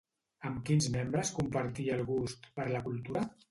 Amb quins membres compartia el gust per la cultura?